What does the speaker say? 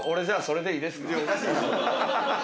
じゃあ俺、それでいいです。